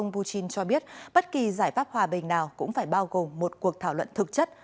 putin cho biết bất kỳ giải pháp hòa bình nào cũng phải bao gồm một cuộc thảo luận thực chất